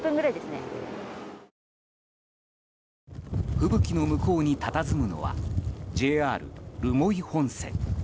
吹雪の向こうにたたずむのはＪＲ留萌本線。